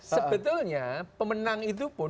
sebetulnya pemenang itu pun